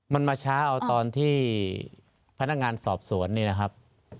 มันมาช้าเอาตอนที่พนักงานสอบสวนนี่นะครับ